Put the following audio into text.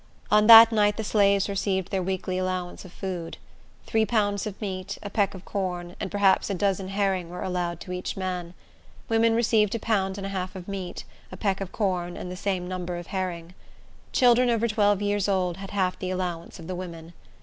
On that night the slaves received their weekly allowance of food. Three pounds of meat, a peck of corn, and perhaps a dozen herring were allowed to each man. Women received a pound and a half of meat, a peck of corn, and the same number of herring. Children over twelve years old had half the allowance of the women.